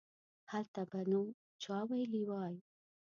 هله به نو چا ویلي وای.